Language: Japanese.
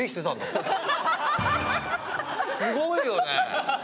すごいよね！